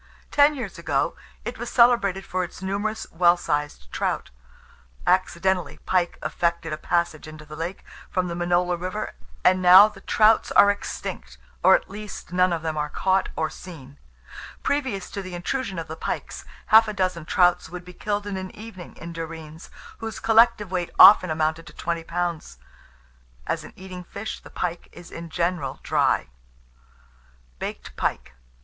Ten years ago it was celebrated for its numerous well sized trouts. Accidentally pike effected a passage into the lake from the Minola river, and now the trouts are extinct, or, at least, none of them are caught or seen. Previous to the intrusion of the pikes, half a dozen trouts would be killed in an evening in Derreens, whose collective weight often amounted to twenty pounds." As an eating fish, the pike is in general dry. BAKED PIKE.